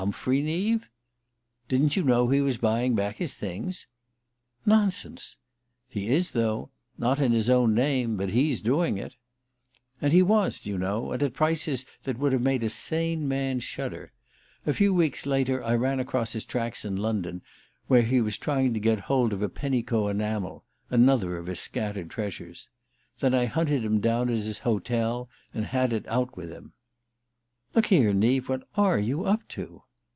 _ Humphrey Neave?" "Didn't you know he was buying back his things?" "Nonsense!" "He is, though. Not in his own name but he's doing it." And he was, do you know and at prices that would have made a sane man shudder! A few weeks later I ran across his tracks in London, where he was trying to get hold of a Penicaud enamel another of his scattered treasures. Then I hunted him down at his hotel, and had it out with him. "Look here, Neave, what are you up to?"